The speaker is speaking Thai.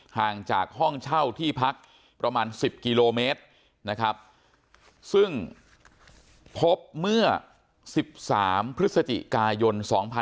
ห่างจากห้องเช่าที่พักประมาณ๑๐กิโลเมตรนะครับซึ่งพบเมื่อ๑๓พฤศจิกายน๒๕๖๒